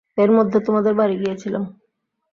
এর মধ্যে তোমাদের বাড়ি গিয়েছিলাম।